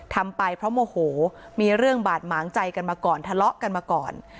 ทำไปเพราะโมโหมีเรื่องบาดหมางใจกันมาก่อนทะเลาะกันมาก่อน